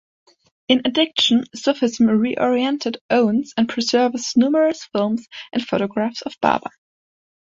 In addition Sufism Reoriented owns and preserves numerous films and photographs of Baba.